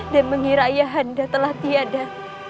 dan mengira ayah anda telah tiada